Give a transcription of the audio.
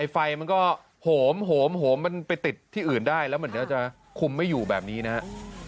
ไฟมันก็โหมมันไปติดที่อื่นได้แล้วเหมือนเดี๋ยวจะคุมไม่อยู่แบบนี้นะฮะ